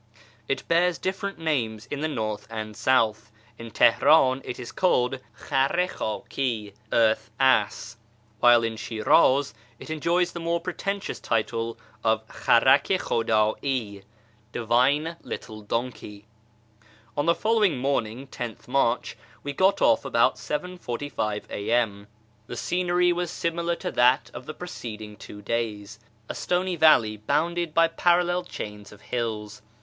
It bears different names in the north and south : in Teheran it is called khar i khdhi (" Earth ass "), wdiile in Shiniz it enjoys the more pretentious title of kharak i khudd'i (" Divine little donkey "). On the following morning (10th March) we got off about 7.45 A.M. The scenery was similar to that of the preceding 224 ^ YEAR AMONGST THE PERSIANS two days — a stony valley, bounded by parallel chains of hills.